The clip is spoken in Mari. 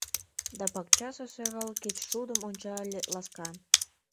Да пакчасе сӧрале кечшудым ончале ласкан.